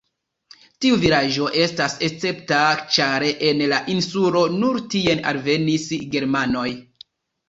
Tiu vilaĝo estas escepta, ĉar en la insulo nur tien alvenis germanoj.